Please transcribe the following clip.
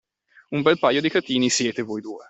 Un bel paio di cretini siete voi due!